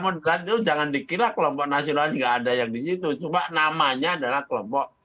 moderat itu jangan dikira kelompok nasionalis nggak ada yang di situ coba namanya adalah kelompok